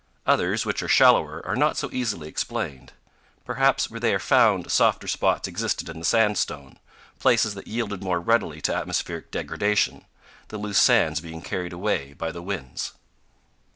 Others, which are shallower, are not so easily explained. Perhaps where they are found softer spots existed in the sandstone, places that yielded more readily to atmospheric degradation, the loose sands being carried away by the winds.